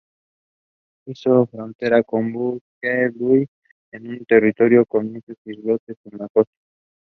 Hizo frontera con Buskerud y es un territorio con muchos islotes en la costa.